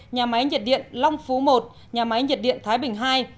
nhà máy nhiệt điện long phú một nhà máy nhiệt điện thái bình ii